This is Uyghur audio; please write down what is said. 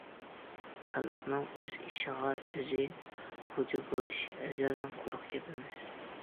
خەلقنىڭ ئۆز ئىشىغا ئۆزى خوجا بولۇشى ئەزەلدىن قۇرۇق گەپ ئەمەس.